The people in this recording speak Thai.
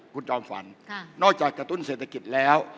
คุณจอมฝันนอกจากกระตุ้นเศรษฐกิจแล้ว